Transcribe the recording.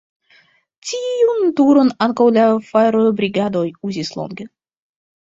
Tiun turon ankaŭ la fajrobrigado uzis longe.